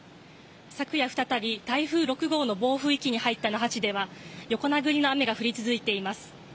昨夜、再び台風６号の暴風域に入った那覇市では横殴りの雨が降り続いています。